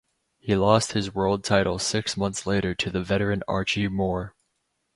He lost his world title six months later to the veteran Archie Moore.